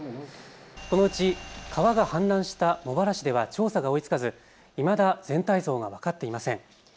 このうち川が氾濫した茂原市では調査が追いつかずいまだ全体像が分かっていません。